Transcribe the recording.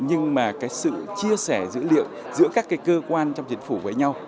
nhưng mà cái sự chia sẻ dữ liệu giữa các cái cơ quan trong chính phủ với nhau